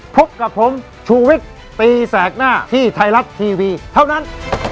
พบกับผมชูวิทย์ตีแสกหน้าที่ไทยรัฐทีวีเท่านั้น